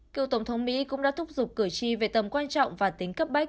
cựu tổng thống mỹ cũng đã thúc giục cử tri về tầm quan trọng và tính cấp bách